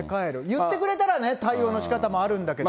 言ってくれたらね、対応のしかたもあるんだけど。